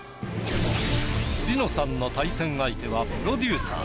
梨乃さんの対戦相手はプロデューサー。